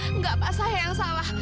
tidak pak saya yang salah